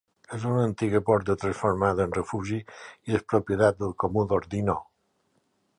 És una antiga borda transformada en refugi i és propietat del Comú d'Ordino.